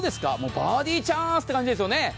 バーディーチャンスという感じですよね。